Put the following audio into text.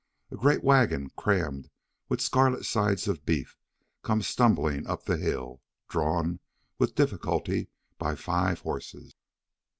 A great wagon crammed with scarlet sides of beef comes stumbling up the hill, drawn, with difficulty, by five horses.